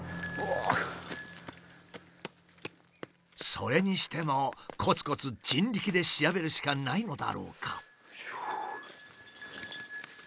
それにしてもこつこつ人力で調べるしかないのだろうか。